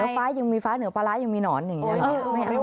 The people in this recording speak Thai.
เหนือฟ้ายิ่งมีฟ้าเหนือปลาร้ายิ่งมีหนอนอย่างนี้